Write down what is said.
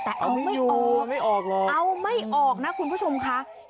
แต่เอาไม่ออกเอาไม่ออกนะคุณผู้ชมค่ะเอาไม่ออกเอาไม่ออก